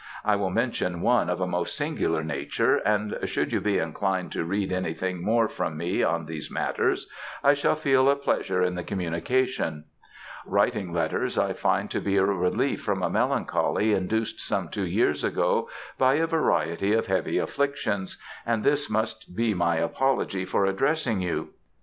I will mention one of a most singular nature, and should you be inclined to read anything more from me on these matters, I shall feel a pleasure in the communication. Writing letters I find to be a relief from a melancholy, induced some two years ago by a variety of heavy afflictions, and this must be my apology for addressing you.